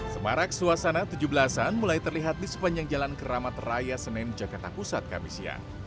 semarak suasana tujuh belas an mulai terlihat di sepanjang jalan keramat raya senen jakarta pusat kamisia